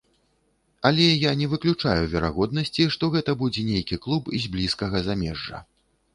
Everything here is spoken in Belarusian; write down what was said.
Але я не выключаю верагоднасці, што гэта будзе нейкі клуб з блізкага замежжа.